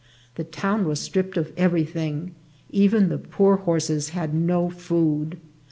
The town was stripped of everything; even the poor horses had no food.